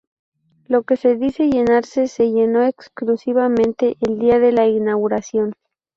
Lo que se dice llenarse, se llenó exclusivamente el día de la inauguración.